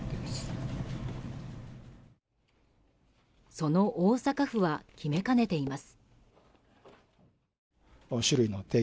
その大阪府は決めかねています。